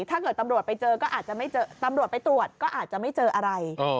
ถ้าเกิดตำรวจไปเจอก็อาจจะไม่เจอตำรวจไปตรวจก็อาจจะไม่เจออะไร